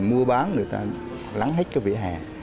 mua bán người ta lắng hết cái vỉa hè